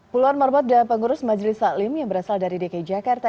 puluhan marwat dan pengurus majelis taklim yang berasal dari dki jakarta